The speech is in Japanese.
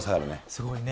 すごいね。